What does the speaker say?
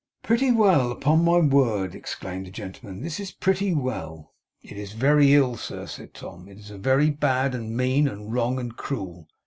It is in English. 'Pretty well! Upon my word,' exclaimed the gentleman, 'this is pretty well!' 'It is very ill, sir,' said Tom. 'It is very bad and mean, and wrong and cruel.